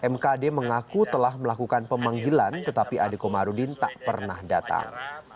mkd mengaku telah melakukan pemanggilan tetapi ade komarudin tak pernah datang